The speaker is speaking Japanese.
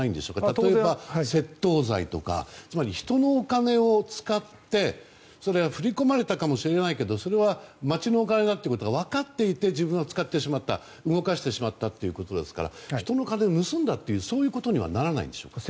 例えば、窃盗罪とかつまり人のお金を使って、それは振り込まれたかもしれないけど町のお金だということが分かっていて自分は使ってしまった動かしてしまったということですから、人のお金を盗んだということにはならないんでしょうか。